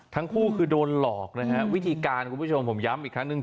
ทั้งคู่คือโดนหลอกนะฮะวิธีการคุณผู้ชมผมย้ำอีกครั้งหนึ่ง